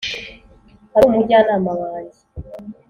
uri umujyanama wanjye.